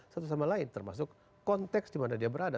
satu sama lain termasuk konteks di mana dia berada